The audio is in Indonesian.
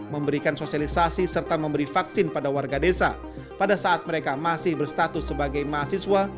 memberikan sosialisasi serta memberi vaksin pada warga desa pada saat mereka masih berstatus sebagai mahasiswa